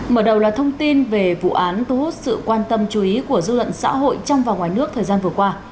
mở đầu là thông tin về vụ án thu hút sự quan tâm chú ý của dư luận xã hội trong và ngoài nước thời gian vừa qua